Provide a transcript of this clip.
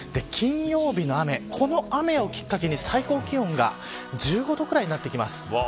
金曜日の雨、これをきっかけに最高気温が１５度ぐらいになってきます。